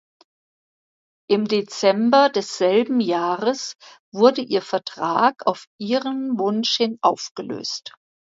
Im Dezember desselben Jahres wurde ihr Vertrag auf ihrem Wunsch hin aufgelöst.